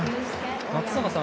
松坂さん